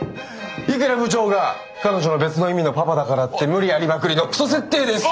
いくら部長が彼女の別の意味の「パパ」だからって無理ありまくりのクソ設定です！